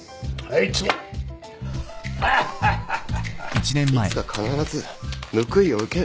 いつか必ず報いを受ける。